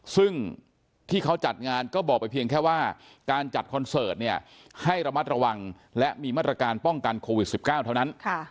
ซึ่งที่เขาจัดงานก็บอกไปเพียงแค่ว่าการจัดคอนเสิร์ตเนี่ยให้ระมัดระวังและมีมาตรการป้องกันโควิด๑๙เท่านั้น